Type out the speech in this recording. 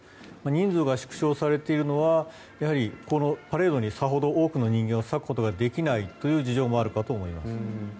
人数が縮小されているのはパレードにさほど多い人数を割くことができない事情があると思います。